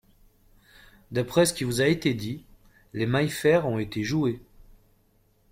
D'après ce qui vous a été dit, les Maillefert ont été joués.